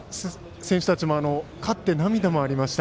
選手たちも勝って涙もありました。